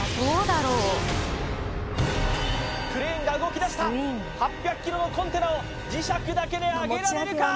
クレーンが動きだした８００ｋｇのコンテナを磁石だけで上げられるか？